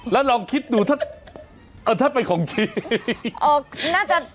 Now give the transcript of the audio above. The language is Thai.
แล้วลองคิดดูถ้าเป็นของจีน